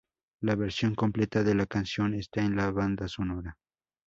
La versión completa de la canción está en la banda sonora.